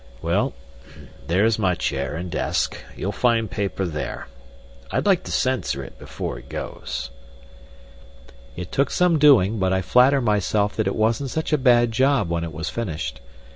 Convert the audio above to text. "Well, that's my chair and desk. You'll find paper there. I'd like to censor it before it goes." It took some doing, but I flatter myself that it wasn't such a bad job when it was finished.